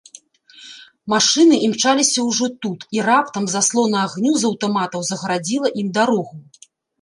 Машыны імчаліся ўжо тут, і раптам заслона агню з аўтаматаў загарадзіла ім дарогу.